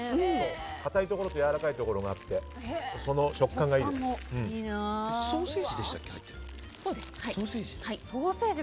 かたいところとやわらかいところがあってその食感がいいです。